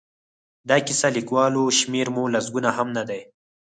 د کیسه لیکوالو شمېر مو لسګونه هم نه دی.